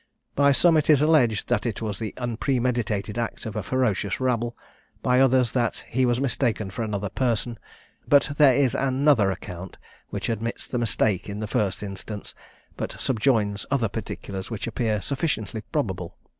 By some it is alleged that it was the unpremeditated act of a ferocious rabble; by others, that he was mistaken for another person; but there is another account, which admits the mistake in the first instance, but subjoins other particulars, which appear sufficiently probable.